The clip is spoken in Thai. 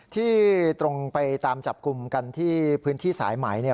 ที่ตรงไปตามจับกลุ่มกันที่พื้นที่สายไหม